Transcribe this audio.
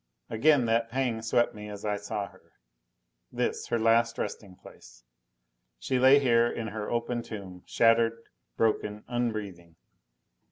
Again that pang swept me as I saw her. This, her last resting place. She lay here, in her open tomb, shattered, broken, unbreathing.